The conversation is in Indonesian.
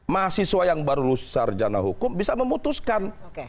mahasiswa yang baru lulus sarjana hukum bisa memutuskan